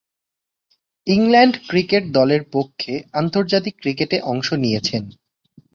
England cricket দলের পক্ষে আন্তর্জাতিক ক্রিকেটে অংশ নিয়েছেন।